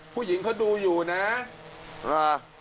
ผู้หญิงเขาดูอยู่นะ